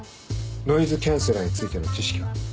ノイズキャンセラーについての知識は？